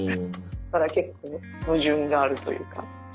だから結構矛盾があるというか。